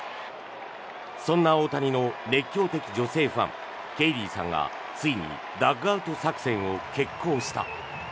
そんな大谷の熱狂的女性ファンケイリーさんがついにダッグアウト作戦を決行した。